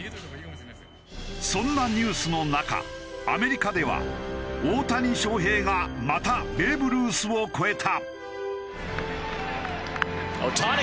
そんなニュースの中アメリカでは大谷翔平がまたベーブ・ルースを超えた。